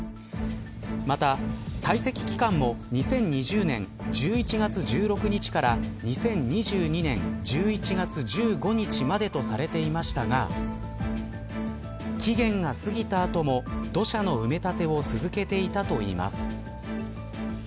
また堆積期間も２０２０年１１月１６日から２０２２年１１月１５日までとされていましたが期限が過ぎた後も土砂の埋め立てを続けていたといいます。